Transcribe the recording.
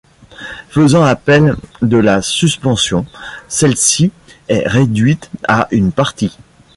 Faisant appel de la suspension, celle-ci est réduite à une partie.